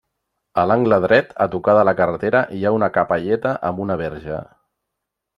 A l'angle dret, a tocar de la carretera, hi ha una capelleta amb una Verge.